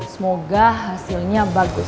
semoga hasilnya bagus